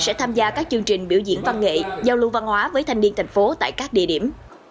sẽ tham gia các chương trình biểu diễn văn nghệ giao lưu văn hóa với thanh niên thành phố tại các địa điểm